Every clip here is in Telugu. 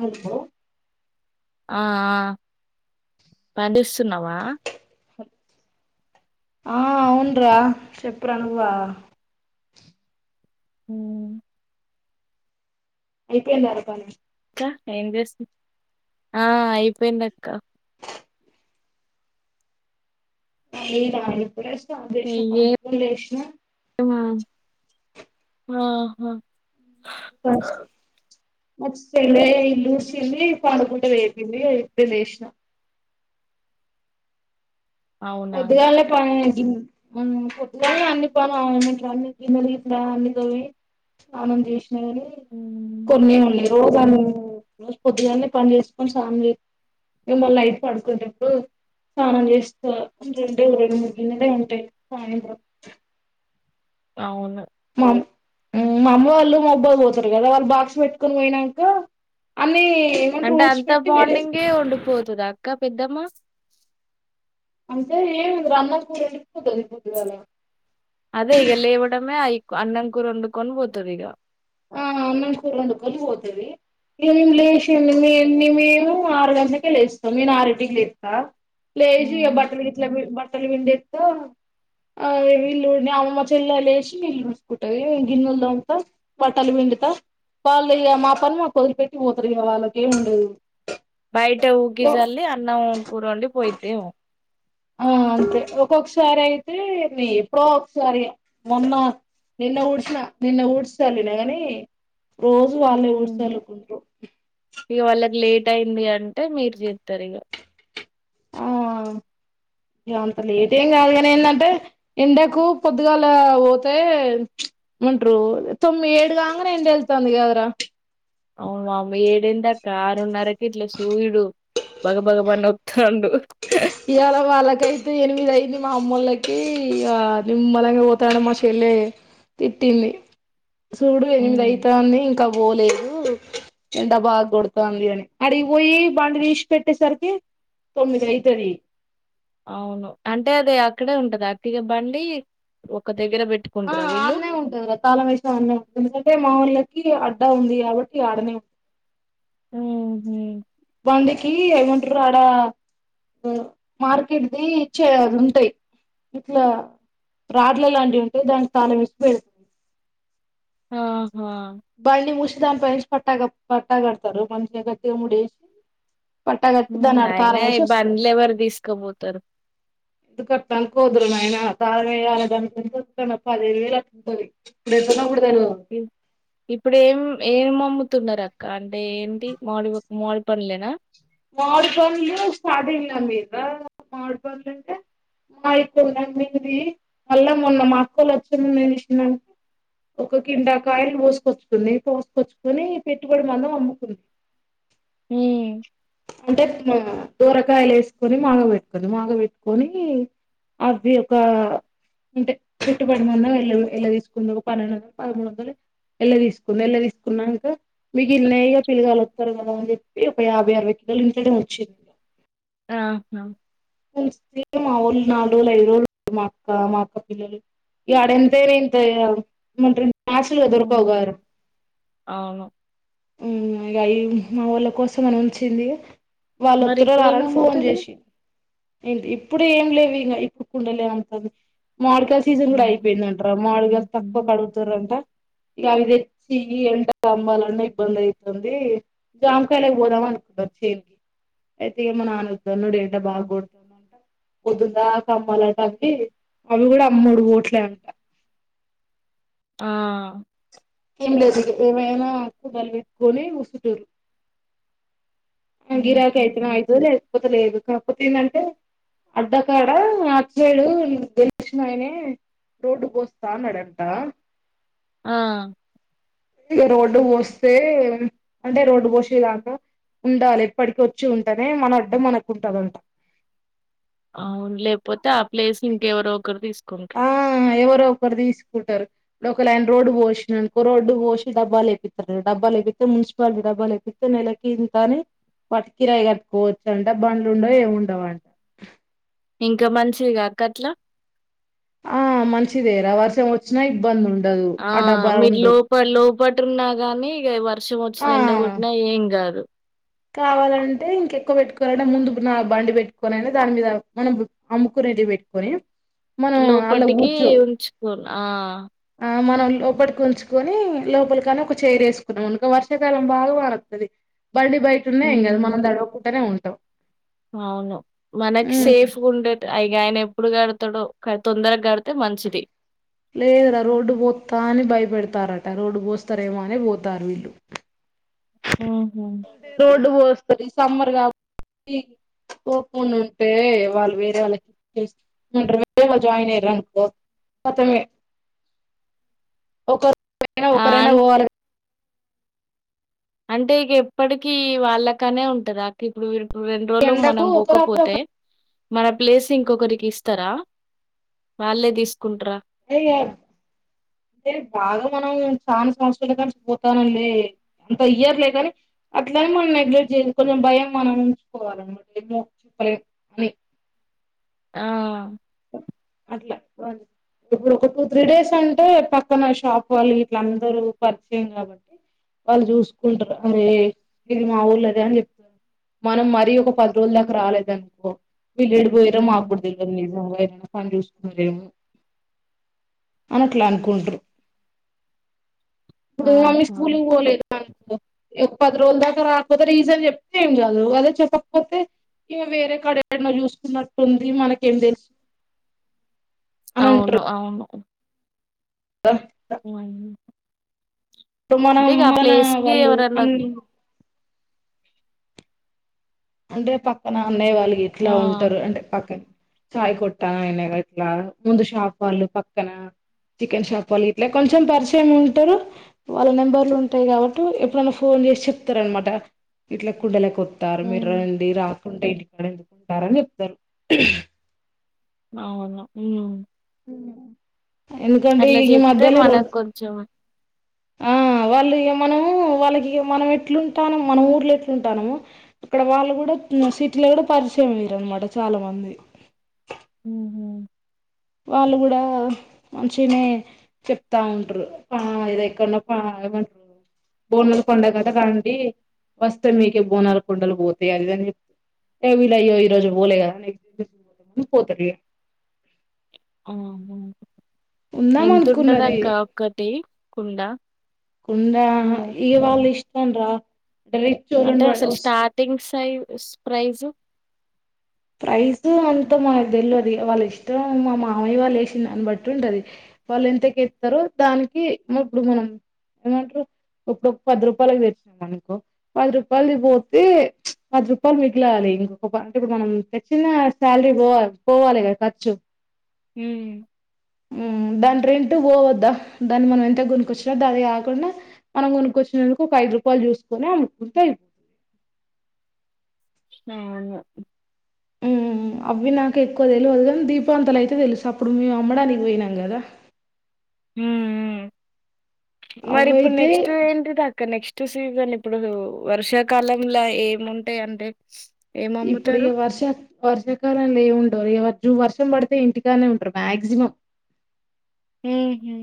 ముగ్భో ఆ, ఆ పండిస్తున్నావా ఆ అవున్రా చెప్పురా నువ్వా హుమ్ ఐపోయిందా రా పని ఆ ఐపోయిందక్క మళ్ళీ రావిప్పుడేస్ కాల్ జేస్నా ఏం పండుకొని లేసిన ఆహా కాస్ మా సెల్లె ఇల్లుడ్సింది పండుకుంటే లేపింది ఇప్పుడే లేస్న అవునా పొద్దుగాల్నే పని ఇమ్ ఉన్ పొద్దుగాల్నే అన్ని పను అవును ట్రామి గిన్నెల గిట్ల అన్ని తోమి స్నానం జేస్ తోలి ఉమ్, కొన్ని ఉన్నయ్ రోజన్ రోజు పొద్దుగాల్నే పన్ చేస్కొన్ సానం జే ఇళ్ళో నైట్ పడ్కున్టప్పుడు సానం జేస్ త రెండ్రోల్ రెండు మూడు గిన్నలే ఉంటై సాయంత్రం అవును మామ్ మ్మ్ మా అమ్మ వాళ్ళు మబ్బులో బోతరు గదా వాళ్ బాక్స్ పెట్కొని పోయినాంక అన్ని ఏమంటారు అంటే ఊడ్చి అంత పెట్టి వేరే మార్నింగే వండిపోతదా అక్క పెద్దమ్మ అయితే [unintelligible] అన్నం కూర వండిస్తే తెలి పొద్ది కదా అదే ఇగ లేవడమే అయ్ అన్నం కూర వండుకొని పోతదిగ ఆ అన్నం కూర వండుకొని వోతది ఇగ మేం లేసి నె మే నె మేరు ఆరు గంటలకే లేస్తాం నే ఆరింటికి లెప్తా లేసి ఇగ బట్టలు గిట్ల బి బట్టలు బిండే ఆ ఆ ఇల్లు నాగమ్మ చెల్ల లేసి ఇల్లు వూడ్సుకుంటదిగ నేన్ గిన్నెలు తోముతా బట్టలు పిండుతా వాళ్ళిగ మా పని మాకొదిలిపెట్టి పోతరిగ వాళ్లకేం ఉండదు బయట ఊకి జల్లి అన్నం కూరొండి పోయిద్దేమో ఆ అంతే ఒక్కొక్కసారైతే ని ఎప్పుడో ఒకసారిగ మొన్న నిన్న ఊడ్సిన నిన్న ఊడ్చి సల్లినగని రోజు వాళ్ళే ఊడ్సి సళ్ళుకుంట్రు టైంది అంటే మీర్ చెప్తరిగ ఆ ఇగ అంత లేటెమ్ కాదు గని ఏంధంటే ఎండకు పొద్దుగాల వోతే ప్చ్ ఉంట్రు తొమ్మి ఏడు కాంగనే ఎండెల్ళ్తుంది కదరా అవును వామ్మో ఇడేందక్కా ఆరున్నరకిట్ల సూర్యుడు బగ భగ మన్నోత్తాండు ఇయాల వాళ్లకైతే ఎనిమిదై ఇది మా అమ్మోలకి ఇగ నిమ్మళంగా వోతాడే మా చెల్లె తిట్టింది. సూడు హ్మ్. ఎనిమిదైతాంది ఇంకా బోలె ఉ ఎండ బాగ్ గొడతాంది అని అడికీ బొయ్యి బండి దీస్ పెట్టేసరికి తొమ్మిదయి తరి అవును అంటే అది అక్కడే ఉంటది అక్క ఇగ బండి ఒక దగ్గర ఆ బెట్టుకుంటరా వీళ్ళు? ఆన్నే ఉంటుంది రా తాళం వేసేనా ఆన్నే ఉంటుంది ఎందుకంటే మావోల్లకి అడ్డా ఉంది కాబట్టి ఆడనే ఉంది ఉమ్ హు బండికి ఏమంటారు ఆడ ఉమ్ మార్కెట్దిి ఇచ్చేది ఉంటాయి ఇట్లా రాడ్ల లాంటివి ఉంటాయి దానికి తాళం ఇసి పెడుతుంది ఆ బండి మూసి దానిపై ఏస్ పట్టాగా పట్టాగడతారు మంచిగా గట్టిగా ముడేసి పట్టాగట్టి హ్మ్. దాని ఆడ అయినా ఈ తాళంమేసి వస్తారు బండ్లెవరు దీసుకపోతరు. ఎందుకట్టా అనుకోదు రా నాయన తాళం ఏయ్యాల దానికి [unintelligible] పది వేలు అంటుంది ఇప్పుడేటన్నా కూడా ఉమ్ ఆ ఇప్పుడు ఏం ఏం అమ్ముతున్నారు అక్క అంటే ఏంటి మామిడి ఒక మామిడి పండ్లేనా మామిడి పండ్లు స్టార్టింగ్ లో ఉంది కదా మామిడి పండ్లంటే అంటే మా అక్క నమ్మింది మళ్ళా మొన్న మా అక్కలు వచ్చ నేనెంచేసిన అంటే ఒక కిండాకాయలు కోసుకొచ్చుకుంది కోసుకొచ్చుకొని పెట్టుబడి మనం అమ్ముకుంది. ఉమ్ అంటే టీనా దొరకాయలు వేసుకొని మాగ పెట్టుకుంది మాగ పెట్టుకొని అది ఒక అంటే పెట్టుబడి మన్నళ్ళ ఎళ్ళ తీసుకున్నారు ఒక పన్నెండు వందలు పదమూడు వందలు ఎళ్ళ తీసుకుంది ఎళ్ళ తీసుకున్నాక మీకు ఇ నయ్యగా పిలగాలు వస్తారు కదా అని చెప్పి ఒక యాభై అరవై మదిలించడం వచ్చింది ఆహా మా వొళ్ళు నల్రోజులు అయిద్రోజులు మా అక్క మా అక్క పిల్లలు ఏడుంతేరే ఏమంటరు మాసలు దొరకవ్ హ్మ్. గారు అవును. ఉమ్ మళ్ళీ మా వోళ్ళ కోసం అని ఉంచింది ఇగ వాళ్ళొత్తర రారో ని ఫోన్ మరిప్పుడేమమ్ముతున్నరు? చేసి ఇప్పుడు ఏం లేవు ఇంక ఇప్పు కుండలే అమ్ముతాది మాడికాయలు సీజన్ కూడా ఆహా! అయిపోయిందంటార మాడికాయలు తక్కువ హుహు. కడుగుతర్రట ఇక అవి తెచ్చి ఎంట అమ్మాలన్నా ఇబ్బంది అయితుంది జామకాయలకి పోదాం అనుకుంటన్నారు చేన్కి అయితే ఇక మా నాన్నద్ద నుడి ఎంట బాగొడ పొద్దుందా కమ్మాలంటవి అవి కూడా అమ్ముడు పోట్లే అట ఆ ఏం లేదు ఇక ఏమైనా నాకు బలపెట్టుకొని కుసుటరు గిరాకీ హుహు. అయితనాయో లేవు కాకపోతే లేదు కాకపోతే ఏంటంటే అడ్డకాడ ఆటు సైడు గెలిచినయనే రోడ్డు పోస్తా అన్నాడంట. ఆ ఇకా రోడ్డు పోస్తే అంటే రోడ్డు పోసే దాంట్లో ఉండాలి ఇప్పటికి వచ్చి ఉంటేనే మన అడ్డ మనకు ఉంటందంట అవును లేకపోతే ఆ ప్లేస్ ఇంకెవరో ఒకరు తీసుకు ఆ ఎవరు ఒకరు తీసుకుంటారు ఒక లైన్ రోడ్డు పోసిరనుకో రోడ్డు పోసి డబ్బాలు లేేపిస్తారు డబ్బాలు లేేపిస్తే మున్సిపాలిటీ డబ్బాలు లేేపితే నెలకి ఇంత అని వాటికి కిరాయి కట్టుకోవచ్చు అంట బండ్లు ఉండవు ఏమి ఉండవుంట. ఇంకా మంచిది కాకట్లా ఆ మంచిదేరా వర్షం వచ్చిన ఇబ్బంది ఉండ ఆ మీర్ లోపల లోపల్ పట్రున్నా గానీ ఇక ఎవర్ వర్షం ఆ వచ్చిన ఎండగోట్టిన ఏం కాదు కావాలంటే ఇంకెక్కువ పెట్టుకోవాలన్న ముందు నా బండి పెట్టుకోని దాని మీద మనం అమ్ముకునేది పెట్టుకొని మనం అల్ల లోపటికి కూర్చో ఉంచుకోవాల ఆ ఆ మనం లోపటికి ఉంచుకొని లోపల కాని ఒక చైర్ వేసుకున్నాం. అనుకో వర్షాకాలం బాగా వానవత్తది. బండి బయట ఉన్న ఏం కాదు హ్మ్. మనం తడవకుంటనే ఉం త అవును మనకి సేఫ్ ఉండేట అయి ఆయన ఎప్పుడు కడతాడో తొందరగా గడ్ లేదురా రోడ్డు పోత్త అని భయపడతార రోడ్డు పోస్తారేమో అనే పోతారు వీళ్ళు హ్ హు రోడ్డు పోస్తుంది. సమ్మర్ కాబట్టి ఓపన్ ఉంటే వాళ్ళు వేరే వాళ్ళకి జాయిన్ అయ్యిర్రు ఆనుకో కతమే ఐన ఆ! ఒక్కరైనా అంటే పోవాలి. కదా అంటే ఇక ఎప్పటికిీ వాళ్ళకనే ఉంటద అక్క ఇప్పుడు వర రెండు రోజులు ఎండకు మనం ఒకరు అప్పుడు ఒక పోకపోతే మన ప్లేస్ ఇంకొకరికి ఇస్తర వాళ్ళే తీస్ [unintelligible] మనం చానా సంవత్సరాలు కలిసి పోతానం లే ఎంత ఇయ్యర్లే కాని అట్లానే మనం నెగ్లెక్ట్ చేయక కొంచెం భయం మనం ఉంచుకోవాలన్నమాట ఎన్నో చెప్పలేదు అని ఆ అట్లా ఇప్పుడు ఒక టూ త్రీ డేస్ అంటే పక్కన షాప్ వాళ్ళు అందరు పరిచయం కాబట్టి వాళ్ళు చూసుకుంటారు. అరే ఇది మా ఊర్ళ్ళదే అని చెప్తతరు. మనం మరీ ఒక పది రోజుల దాకా రాలేదు. అనుకో వీడ్లేకి పొయ్యిరో మా హ్మ్. గుడ తెల్వద్ నిజంగా [unintelligible] పని చూసుకున్నారేమో అనీ ఆట్లా అనుకుంటారు. ఇప్పుడు మమ్మీ ఆహా! స్కూలికి పోలేదు. అనుకో ఎప్పటి పది రోజుల దాకా రాకపోతే రీజన్ చెప్తే ఏం కాదు. అదే చెప్పకపోతే ఈమె వేరే కడ ఎడ్నో చూసుకున్నట్టుంది. మనక ఏం తెలుసు అని అంటారు అవును అవును [unintelligible] హ్ హు ఇప్పుడు మనం మన వాళ్ళు ఎవరన్నా అం అంటే పక్కన అన్నయ్య వాళ్ళు ఆ! గిట్లా ఉంటారు. అంటే పక్కన చాయ్ కొట్టు అయినా ఇట్లా ముందు షాపూ వాళ్ళు పక్కన చికెన్ షాపు వాళ్లు ఇట్లా కొంచెం పరిచయం ఉంటారు. వాళ్ళ నెంబర్లు ఉంటాయి. కాబట్టి ఎప్పుడన్నా ఫోన్ చేసి చెప్తారనమాట ఇట్లా కుండలే ఎక్కు తారు. మీర్ హ్మ్. రండి. రా కుంటే ఇంటికాడ ఎందుకుంటారని చెప్తారు. అవును మ్మ్ ఎందుకంటే అట్ల ఈ చెప్తే మధ్యలో రోడ్ మనకు కొంచెం ఆ వాళ్ళు ఇగ మనము వాళ్ళకి ఇగ మనం ఎట్లుంటానం మన ఊర్లో ఎట్లుంటానము ఇక్కడ వాళ్ళు కూడా సిటీలో కూడా పరిచయం అయిరనమాట చాలా మంది మ్మ్ హ్ వాళ్ళు కూడా మంచిగనే చెప్తా ఉంటారు ఆ ఇద ఎక్కడన్నా ఏమంటారు బోనాల కొండ కదా కగంటీ వస్తే మీకే బోనాలు కొండలు పోతాయి అది ఇది అని చెప్ ఏ వీల అయ్యో ఈ రోజు పోలే కదా పోతారు ఇగ ఆహ ఉందాం ఎంత ఉంటద్ అనుకున్నది అక్క ఒక్కటి కుండ ఉందా హ్మ్. ఇగ వాల్ ఇష్ట ఎన్ ర అంటే అసలు స్టార్టింగ్స్ అయి స్ ప్రైజు ప్రైసు అంత మనక్ తెల్వది వాళ్ళ ఇష్టం మా మామయ్య వాళ్ళు వేషిన్దాన్ని బట్టి ఉంటది వాళ్ళు ఎంతకి ఎస్తరో దానికి ఇప్పుడు మనం ఏమంటారు ఇప్పుడు పది రూపాయలకి తెచ్చినాం అనుకో పది రూపాయలు దీ పోతే పది రూపాయలు మిగిలాలి ఇంకొక అంటే ఇప్పుడు మనం తెచ్చిన శాలరీ పోవాలి పోవాలిగా ఖర్చు మ్మ్ మ్మ్ దాని రెంట్ పోవద్దా దాన్ని మనం ఎంత గొనికొచ్చినా అది కాకుండా మనం గొనుకొచ్చినందుకు ఒక ఐదు రూపాయలు చూసుకొని అమ్ముకుంటే అయిపోతద్ నాను మ్మ్ అవి నాకు ఎక్కువ తెలువదు కానీ దీపావంతాలు అయితే తెలుసు అప్పుడు మేము అమ్మడానికి పోయినాం కదా మ్మ్ మ్మ్ మరి ఇప్పుడు అవైతే నెక్స్ట్ ఏంటి దక్క నెక్స్ట్ చూసి కానీ ఇప్పుడు వర్షాకాలంంలో ఏముంటాయి అంటే ఇప్పుడు ఏమమ్ముతారు? ఈగ వర్షక్ వర్షాకాలం ల ఎమ్ ఉండవు ఇగ జు వర్షం పడితే ఇంటికానే ఉంటారు మాక్సిమం మ్మ్ హు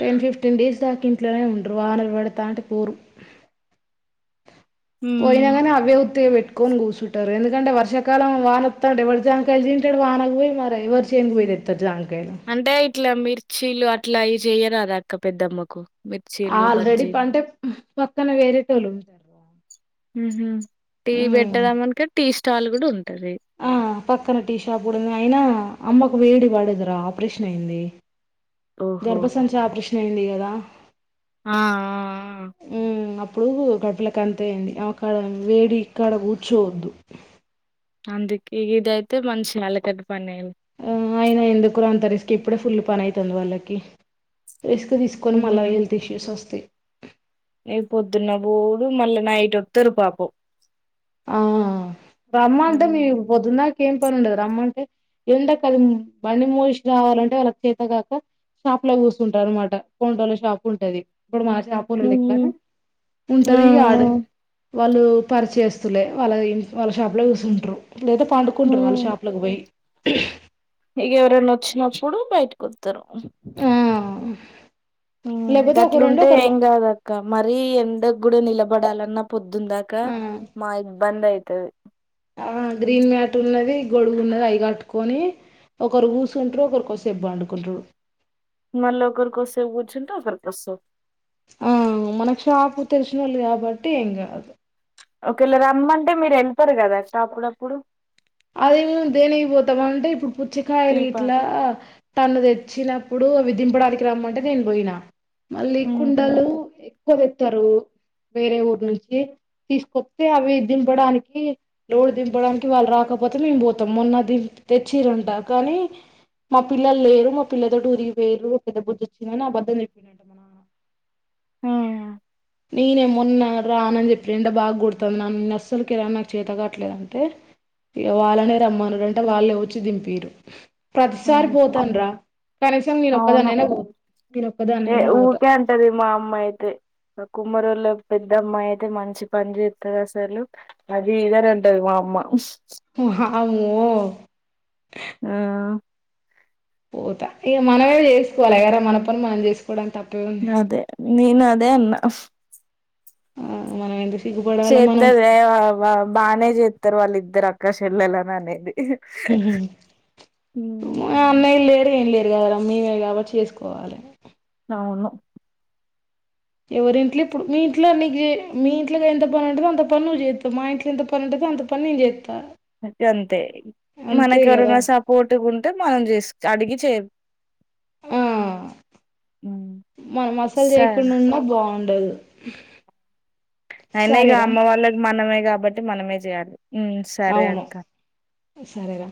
టెన్ ఫిఫ్టీన్ డేస్ దాకా ఇంట్లోనే ఉంటరు వానలు పడతాంటే పోరు పోయిన హ్మ్. కానీ అవ్వే ఉత్తిగపెట్ పెట్టుకొని కూసుంటరు ఎందుకంటే వర్షకాలం వానవోత్తఅంటే ఎవరి జానకాయళ తింటాడు వానకు పోయి మరి ఎవరు చేన్కి పోయ్ తెత్తరు జామ్ గాయ్ నా అంటే ఇట్లా మిర్చీలు అట్లా అయి చెయ్యరాదా అక్క పెద్దమ్మకు మిర్చీలు ఆల్రెడీ బజ్జీలు పంటే ం పక్కన వేరేటోళ్ళుంటర్ర మ్మహ్ టీవి బెట్టదామంటే టీస్ స్టాల్ కూడా ఉంద్ ఆ పక్కన టీ షాప్ కుడుంది అయినా అమ్మ ఒక వేడి వాడదరా ఆపరేషన్ అయింది ఓహో గర్భసంచ ఆపృష్న్ అయ్యింది కదా ఆ ఆ మ్మ్. అప్పుడు గడ్ల క అంత అయింది అక్కడ వేడి ఇక్కడ కూర్చోవద్దు అందుకే ఇది అయితే మంచి అలకట్ పని ఆ అయిన ఎందుకు అంత రిస్క్ ఇప్పుడే ఫుల్ పని అయితాంది వాళ్ళకి రిస్క్ తీసుకొని మళ్ళ హెల్త్ ఇష్యూస్ వస్తాయి నేన్ పొద్దున్న బోడు మళ్ళీ నైట్ వస్తరు పాపం ఆ అమ్మంటే ఉమ్. మీకు పొద్దున్న ఏం పని ఉండదు రమ్మంటే ఎండకాలం బండి మూషి రావాలంటే వాళ్ళకు చేతగాక షాప్ లో కూర్చుంటారు అన్నమాట కౌంటోళ్ల షాప్ ఉంటది ఇప్పుడు మాచ ఆపోలోల లెక్కడ ఉమ్, ఉంటది ఆడ ఉమ్, వాళ్ళు పరిచేస్ లే వాళ్ళని వాళ్ళ షాప్ లో చూసుంటరు లేదా పండుకుంటారు వాళ్ళ ఉమ్. షాపుకి పోయి ఇక ఎవరైనా వచ్చినప్పుడు బయటకు వ తరుఉ ఆ ఉమ్ లేకపోతే ఒక రెండు గట్లుంటే ఒకరు ఏం కాదక్క మరీ ఎండ గూడా నిలబడాలన్న పొద్ దుందాకా ఆ మాయ్ బంద్ అయితది ఆ గ్రీన్ మ్యాట్ ఉన్నది గొడుగు ఉన్నది అవి గట్టుకొని ఒకరు గూసుంట్రు ఒకరి కోసేప్పు పడుకుంట్రు మల్లీ ఒకరు కోసేపు కూర్చుంటే ఒకరు కో సేపు ఆ మనకు షాపు తెలిసిన వాళ్ళు కాబట్టి ఏం కాదు ఒకేళ రమ్మంటే మీరు యెళ్తరు కదా అప్పుడప్పుడు అదే మేమ్ దేనికి పోతమంటే ఇప్పుడు టీ పా పుచ్చకాయలిట్లా తన్నది వచ్చినప్పుడు అవి దింపడానికి రమ్మంటే నేను బోయినా మళ్ళీ ఉహు కుండలు ఎ కువ తెత్తారు వేరే ఊర్నుంచి తీసుకొస్తే అవి దింపడానికి లోడ్ దింపడానికి వాళ్ళు రాక మొత్తం మేమ్ బోతాం మొన్నది తెచ్చిరుంట కానీ మా పిల్లల్లేరు మా పిల్లతోటి ఊరిగి పేరు పెద్ద బుద్దొచ్చిందని అబద్ధం చెప్పినంట ఉమ్, నేనే మొన్నా రానని చెప్పింద బాగుడట్ల నన్నస్సలకి రానాకు చేత కావట్లేదంటే ఈ వాళ్ళనే రమ్మను అంటే వాళ్ళే వచ్చి దింపీరు ప్రతిసారి ఉహు పోతాన్రా కనీసం అవును నేనొక్కదాన్నైనా పో ఏ నేనొక్కదాన్నైనా పోతా ఊకే ఉమ్మరోలో పెద్ద అమ్మాయి అయితే మంచి పని చేస్తారు అసలు అది ఇదని ఉంటది మా అమ్మ ఉ హా అమో ఆ పోతా ఇ మనమే జేస్కోవాల ఎర మన పని మనం జేస్ అదె నేను అ దేఅన్న అస్ ఆ మనమెంది చేత్తదే అవ్వ బానేే చే ఇద్దరు వాళ్ళిద్దరు అక్కచెల్లెల్లననేది ఇహి ఎ ఊ అన్నయ్యలు లేరు ఏం లేరు కదరా మేమే గాబట్టి చేసుకోవాలి అవును ఎవరింట్లో ఇప్పుడు మీ ఇంట్లో నీకి మీ ఇంట్లో ఎంత పని ఉంటదో అంత పని నువ్ చేత్తవ్ మా ఇంట్లో ఎంత పని ఉంటందో అంత పని నేను చే గంతే అంతే మనకి కదా ఎవరైనా సపోర్ట్ గుంటే మనం చేసు అడిగి చే ఆ హ్మ్. మన మసాలా స చేయకుండా ఉన్నా బావు ముట్టదు ఐనా ఇక అమ్మ వాళ్ళకి మనమే కాబట్టి మనమే చేయాలి. హ్మ్ సరే అవును అక్క సరేరా